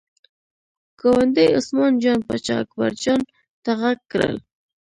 ګاونډي عثمان جان پاچا اکبر جان ته غږ کړل.